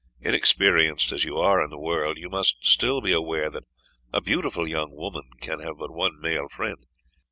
Inexperienced as you are in the world, you must still be aware that a beautiful young woman can have but one male friend.